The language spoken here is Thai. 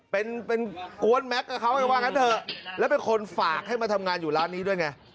เป็นเป็นกวนแม็กซ์กับเขาไงว่างั้นเถอะแล้วเป็นคนฝากให้มาทำงานอยู่ร้านนี้ด้วยไง